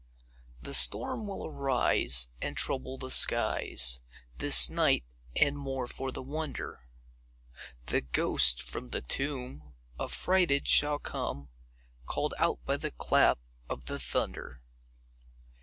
The storm will arise, And trouble the skies This night; and, more for the wonder, The ghost from the tomb Affrighted shall come, Call'd out by the clap of the thunder.